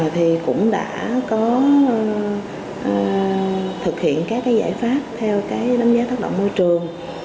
thì cũng đã có thực hiện các cái giải pháp theo cái đánh giá tác động môi trường